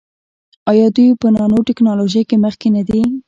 آیا دوی په نانو ټیکنالوژۍ کې مخکې نه دي؟